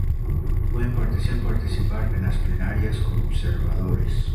Pueden participar en las plenarias como observadores.